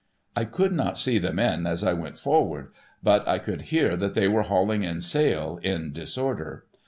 I could not see the men as I went forward, but I could hear that they were hauling in sail, in disorder.